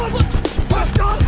baik baik aja sih